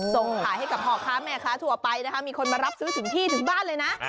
ส่งขายให้กับพ่อค้าแม่ค้าทั่วไปนะคะมีคนมารับซื้อถึงที่ถึงบ้านเลยนะ